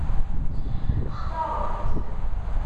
Xtaṛen-t?